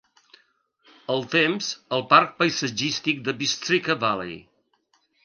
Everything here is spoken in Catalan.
El temps al Parc Paisatgístic de Bystrzyca Valley